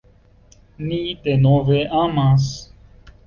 Ni denove amas.